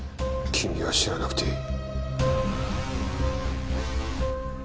君は知らなくていい。